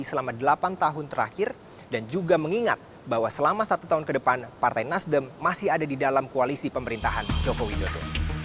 selama delapan tahun terakhir dan juga mengingat bahwa selama satu tahun ke depan partai nasdem masih ada di dalam koalisi pemerintahan joko widodo